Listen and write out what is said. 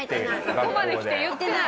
ここまできて言ってない。